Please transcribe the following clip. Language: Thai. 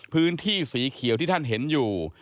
พื้นที่สีเขียวที่ท่านเห็นอยู่